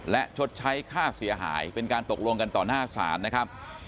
และชดใช้ค่าเสียหายเป็นการตกลงกันต่อหน้าศาลนะครับ